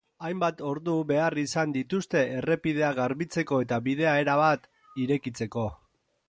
Hainbat ordu behar izan dituzte errepidea garbitzeko eta bidea erabat irekitzeko.